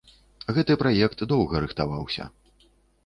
Гэты праект доўга рыхтаваўся.